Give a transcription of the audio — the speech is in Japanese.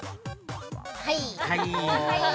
◆はい。